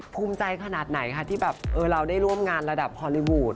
ภูมิใจขนาดไหนคะที่แบบเราได้ร่วมงานระดับฮอลลี่วูด